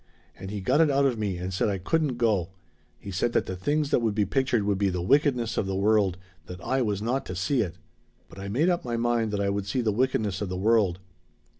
And he got it out of me and said I couldn't go. He said that the things that would be pictured would be the wickedness of the world. That I was not to see it. "But I made up my mind that I would see the wickedness of the world."